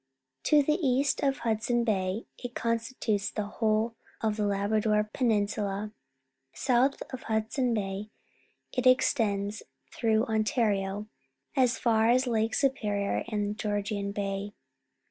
To the east of Hudson Bay it constitutes the whole of the Labrador Peninsula. South of Hudson Bay it extends through Ontario as far as Lake Superior and Georgian Bay.